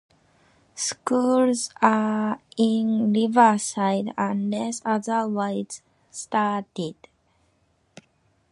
Schools are in Riverside unless otherwise stated.